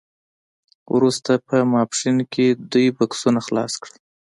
وروسته په ماسپښین کې دوی بکسونه خلاص کړل